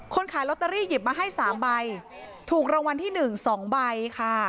คนขายล็อตเตอรี่หยิบมาให้สามใบถูกรางวัลที่หนึ่งสองใบค่ะ